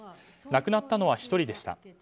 亡くなったのは１人でした。